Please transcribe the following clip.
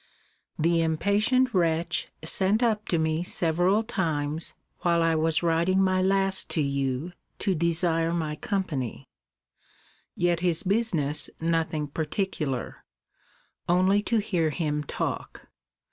The impatient wretch sent up to me several times, while I was writing my last to you, to desire my company: yet his business nothing particular; only to hear him talk.